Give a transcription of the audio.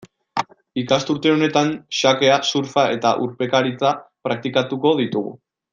Ikasturte honetan xakea, surfa eta urpekaritza praktikatuko ditugu.